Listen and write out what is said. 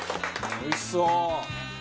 おいしそう！